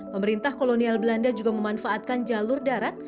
pemerintah kolonial belanda juga memanfaatkan jalur darat